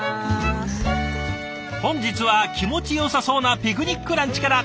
本日は気持ちよさそうなピクニックランチから。